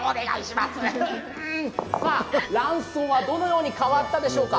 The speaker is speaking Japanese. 卵巣はどのように変わったでしょうか。